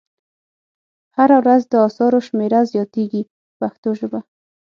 هره ورځ د اثارو شمېره زیاتیږي په پښتو ژبه.